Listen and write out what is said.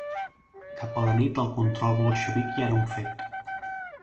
Cap a la nit, el control bolxevic ja era un fet.